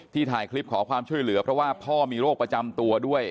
ถ่ายคลิปขอความช่วยเหลือเพราะว่าพ่อมีโรคประจำตัวด้วย